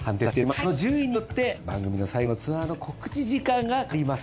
この順位によって番組の最後のツアーの告知時間が変わります。